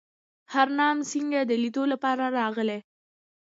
هرنام سینګه د لیدلو لپاره راغی.